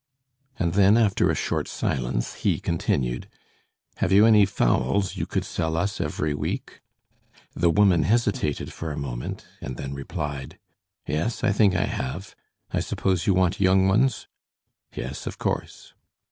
And then, after a short silence he continued: "Have you any fowls you could sell us every week?" The woman hesitated for a moment and then replied: "Yes, I think I have. I suppose you want young ones?" "Yes, of course."